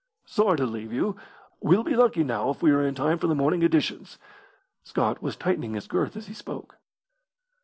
"Sorry to leave you. We'll be lucky now if we are in time for the morning editions." Scott was tightening his girth as he spoke.